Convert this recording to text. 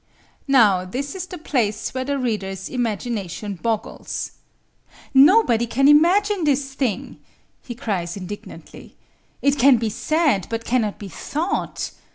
Now this is the place where the reader's imagination boggles. "Nobody can imagine this thing," he cries indignantly. "It can be said, but cannot be thought.